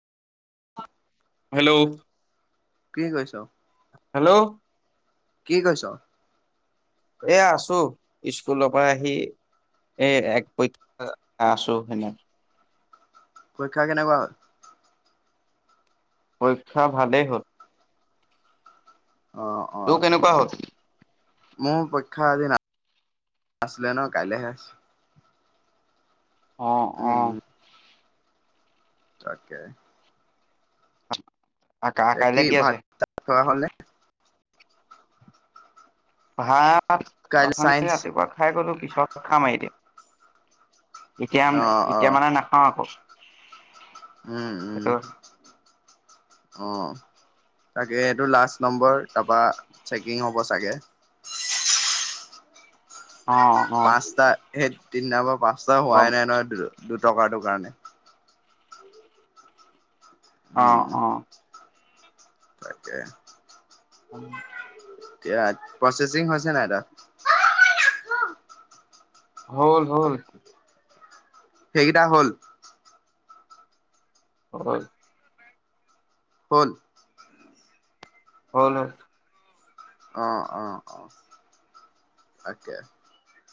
Hello? কি কৰিছ? Hello? কি কৰিছ? এয়া আছো স্কুলৰ পৰা আহি। এই এক পক্ষ আছো এনে পৰীক্ষা কেনেকুৱা হল? পৰীক্ষা ভালেই হ'ল। অ', অ'। তোৰ কেনেকুৱা হ'ল? মোৰ পৰীক্ষা আজ নাছিলে নহয়, কাইলেহে আছে। অ' উম, অ'। উম, তাকে। [unintelligible] এ কি কাইলৈ ভাত আছে তাত খোৱা হল নে? ভাত কাইলে অথনি চাইন্স। ৰাতিপুৱা খাই গলো, পিছত খাম আৰু এতিয়া। এতিয়া, অ', এতিয়া অ', মানে নাখাওঁ আকৌ। উম' সেইটো উম'। অ' তাকে এইটো লাষ্ট নম্বৰ, তাপা চেকিং হ'ব চাগে। অ অ পাঁচটা, সেই তিনিটা পৰা পাঁচটা গম হোৱাই নাই নহয় দু দুটকাটো কাৰণে। উম, অ' অ'। তাকে। [inaudible] এতিয়া প্ৰচেচিং হৈছে নাই তাত। হল, হল। সেইগিটা হ'ল। হল। হল। হ'ল অ', অ', অ' তাকে